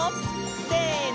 せの！